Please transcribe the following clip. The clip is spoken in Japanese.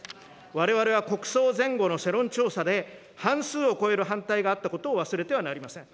われわれは国葬前後の世論調査で半数を超える反対があったことを忘れてはなりません。